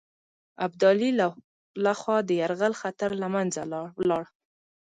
ابدالي له خوا د یرغل خطر له منځه ولاړ.